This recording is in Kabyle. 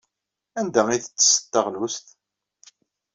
Anda ay tettesseḍ taɣlust?